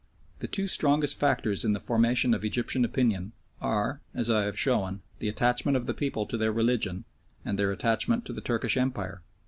The two strongest factors in the formation of Egyptian opinion are, as I have shown, the attachment of the people to their religion and their attachment to the Turkish Empire.